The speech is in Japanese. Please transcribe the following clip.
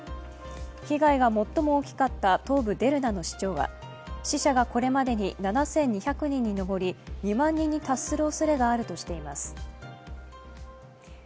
被害が最も大きかった東部デルナの市長は死者がこれまでに７２００人に上り、２万人に達するおそれがあります